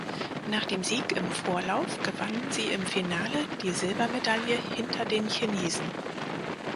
Nach dem Sieg im Vorlauf gewannen sie im Finale die Silbermedaille hinter den Chinesen.